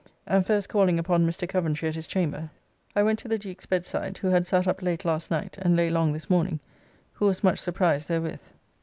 And first calling upon Mr. Coventry at his chamber, I went to the Duke's bed side, who had sat up late last night, and lay long this morning, who was much surprised, therewith.